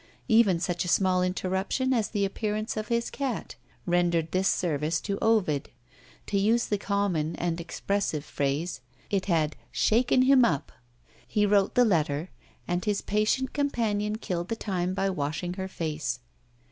Even such a small interruption as the appearance of his cat rendered this service to Ovid. To use the common and expressive phrase, it had "shaken him up." He wrote the letter and his patient companion killed the time by washing her face.